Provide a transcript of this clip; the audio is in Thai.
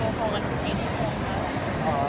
มีโครงการทุกทีใช่ไหม